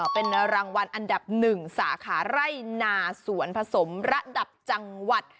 เป็นรางวัลอันดับ๑สาขาไร่นาสวนผสมระดับจังหวัด